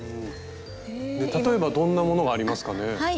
例えばどんなものがありますかね？